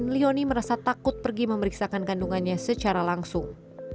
leoni merasa takut pergi memeriksakan kandungannya secara langsung